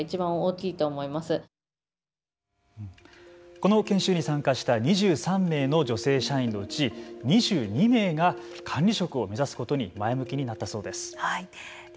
この研修に参加した２３名の女性社員のうち２２名が管理職を目指すことに前向きになったそうです。